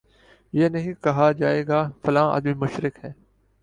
یہ نہیں کہا جائے گا فلاں آدمی مشرک ہے